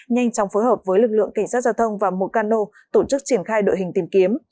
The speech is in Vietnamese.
nhanh chóng phối hợp với lực lượng cảnh sát giao thông và mocano tổ chức triển khai đội hình tìm kiếm